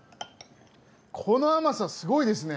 この甘さすごいですね！